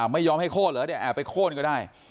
ไม่ยอมให้โค้นเหรอเนี่ยแอบไปโค้นก็ได้